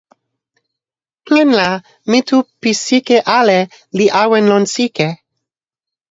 ken la mi tu pi sike ala li awen lon sike.